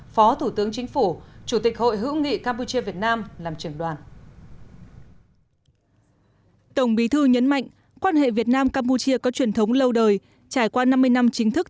phó thủ tướng chính phủ chủ tịch hội hữu nghị campuchia việt nam